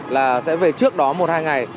là sẽ về trước đó một hai ngày